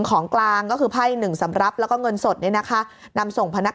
ของกลางก็คือไพ่หนึ่งสำหรับแล้วก็เงินสดเนี่ยนะคะนำส่งพนัก